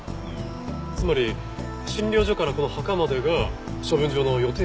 つまり診療所からこの墓までが処分場の予定地？